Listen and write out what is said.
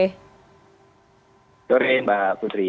selamat sore mbak putri